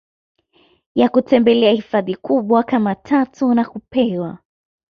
ya kutembelea hifadhi kubwa kama tatu nakupewa